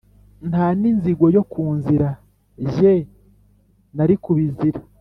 Nta n'inzigo yo ku nzira jye nari kubizira.